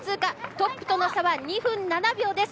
トップとの差は２分７秒です。